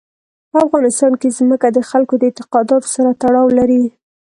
په افغانستان کې ځمکه د خلکو د اعتقاداتو سره تړاو لري.